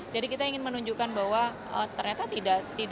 jadi kita ingin menunjukkan bahwa ternyata tidak